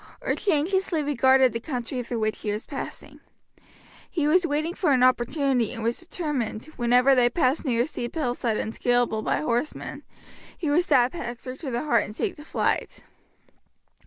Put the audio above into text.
Archie anxiously regarded the country through which he was passing. He was waiting for an opportunity, and was determined, whenever they passed near a steep hillside unscaleable by horsemen, he would stab Hector to the heart and take to flight.